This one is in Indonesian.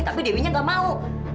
tapi dewinya gak mau